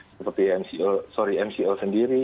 seperti mco sorry mco sendiri